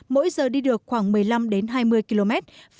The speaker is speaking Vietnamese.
mỗi giờ đi được khoảng một mươi năm đến hai mươi km